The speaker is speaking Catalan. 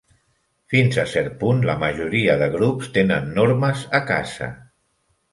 Fins a cert punt la majoria de grups tenen normes a casa.